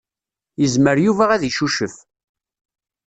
Yezmer Yuba ad icucef.